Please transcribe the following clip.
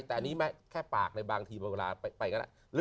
แต่ไม่แค่ปากเลยบางทีไปอย่างนั้น